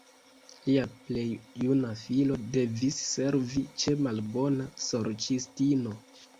Lia plej juna filo devis servi ĉe malbona sorĉistino.